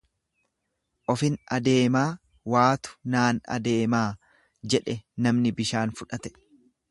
Ofin adeemaa, waatu naan adeemaa jedhe namni bishaan fudhate.